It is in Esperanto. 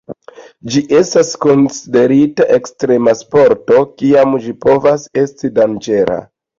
Ĝi estas konsiderita ekstrema sporto, kiam ĝi povas esti danĝera.